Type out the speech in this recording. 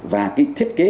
và cái thiết kế